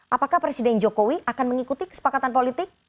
apakah presiden jokowi akan mengikuti kesepakatan politik